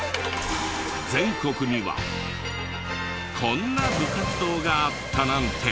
全国にはこんな部活動があったなんて。